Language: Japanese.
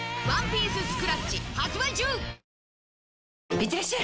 いってらっしゃい！